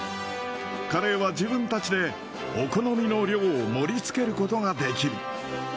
カレーは自分たちで、お好みの量を盛りつけることができる。